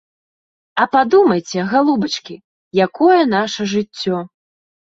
А падумайце, галубачкі, якое наша жыццё?